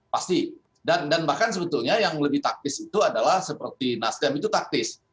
pasti dan bahkan sebetulnya yang lebih taktis itu adalah seperti nasdem itu taktis